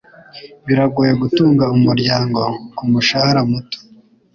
Biragoye gutunga umuryango kumushahara muto.